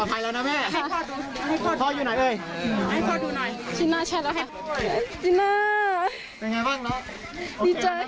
ป่าห์ถ่ายแล้วนะแม่ป่าอยู่ไหนเฮ้ยให้พ่อดูหน่อยชินะใช่แล้วฮะ